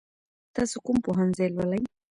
تاسو کوم پوهنځی لولئ؟